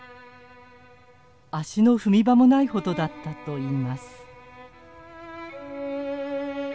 足の踏み場もないほどだったといいます。